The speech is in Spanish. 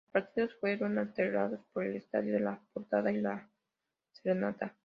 Los partidos fueron albergados por el Estadio La Portada de La Serena.